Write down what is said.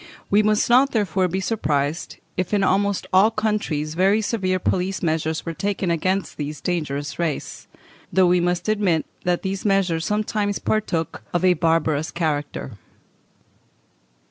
We must not, therefore, be surprised if in almost all countries very severe police measures were taken against this dangerous race, though we must admit that these measures sometimes partook of a barbarous character.